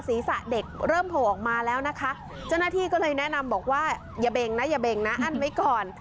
ศีรษะเด็กเริ่มโผล่ออกมาแล้วนะคะเจ้าหน้าที่ก็เลยแนะนำบอกว่าอย่าเบงนะอย่าเบงนะอั้นไว้ก่อน